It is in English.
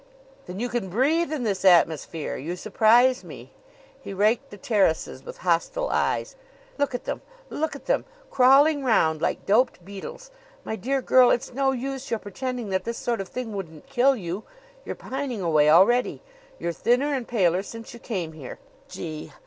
"Then you can breathe in this atmosphere! You surprise me!" He raked the terraces with hostile eyes. "Look at them! Look at them crawling round like doped beetles. My dear girl, it's no use your pretending that this sort of thing wouldn't kill you. You're pining away already. You're thinner and paler since you came here. Gee!